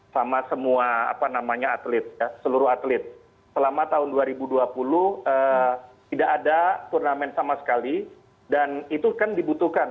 sama semua apa namanya atlet ya seluruh atlet selama tahun dua ribu dua puluh tidak ada turnamen sama sekali dan itu kan dibutuhkan